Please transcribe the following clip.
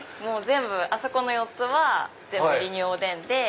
あそこの４つは全部リニューおでんで。